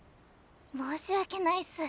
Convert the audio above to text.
申し訳ないっす。